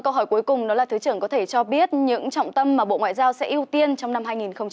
câu hỏi cuối cùng đó là thứ trưởng có thể cho biết những trọng tâm mà bộ ngoại giao sẽ ưu tiên trong năm hai nghìn hai mươi